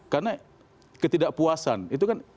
karena ketidakpuasan itu kan